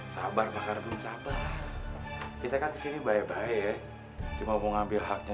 sabar pakardun sabar kita kan disini baik baik mau ngambil haknya